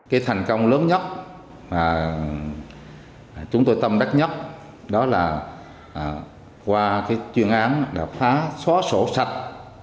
cái thành công lớn nhất mà chúng tôi tâm đắc nhất đó là qua cái chuyên án đã phá xóa sổ sạch